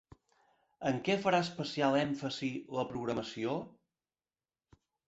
En què farà especial èmfasi la programació?